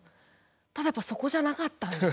ただやっぱそこじゃなかったんですね。